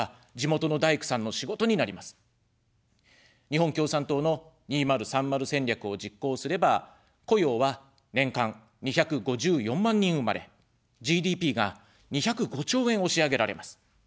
「日本共産党の２０３０戦略」を実行すれば、雇用は年間２５４万人生まれ、ＧＤＰが２０５兆円押し上げられます。